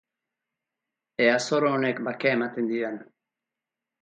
Ea zoro honek bakea ematen didan.